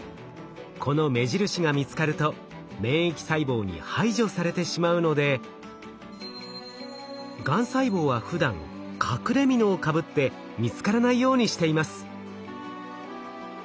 この目印が見つかると免疫細胞に排除されてしまうのでがん細胞はふだん隠れみのをかぶって見つからないようにしています。